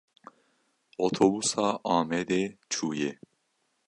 Otobûsa Amedê çûye.